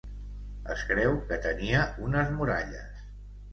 Es creu que tenia unes muralles.